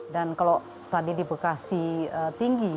dan kalau tadi di bekasi tinggi